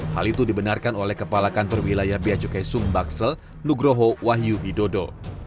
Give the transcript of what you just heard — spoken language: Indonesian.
hal itu dibenarkan oleh kepala kantor wilayah bia cukai sumbaksel nugroho wahyu idodo